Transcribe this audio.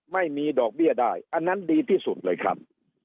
ไม่มีดอกเบี้ยได้อันนั้นดีที่สุดเลยครับ